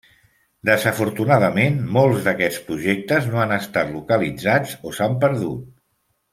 Desafortunadament molts d'aquests projectes no han estat localitzats o s'han perdut.